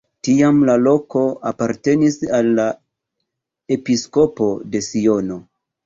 Tiam la loko apartenis al la episkopo de Siono.